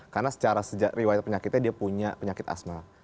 karena secara riwayat penyakitnya dia punya penyakit asma